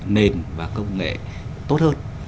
nền và công nghệ tốt hơn